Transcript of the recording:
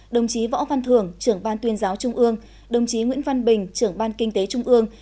đồng chí võ văn thưởng trưởng ban tuyên giáo trung ương đồng chí nguyễn văn bình trưởng ban kinh tế trung ương